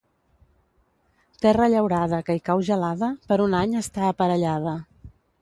Terra llaurada que hi cau gelada, per un any està aparellada.